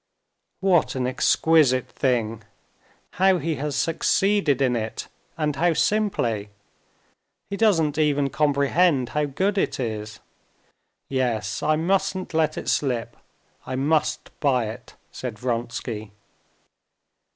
"What an exquisite thing! How he has succeeded in it, and how simply! He doesn't even comprehend how good it is. Yes, I mustn't let it slip; I must buy it," said Vronsky.